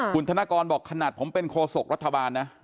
คุณธนกรบอกขนาดผมเป็นโคศกรัฐบาลนะ